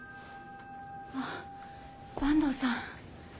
あ坂東さん。